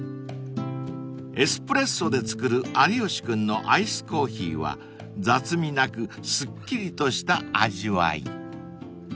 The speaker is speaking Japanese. ［エスプレッソで作る有吉君のアイスコーヒーは雑味なくすっきりとした味わい］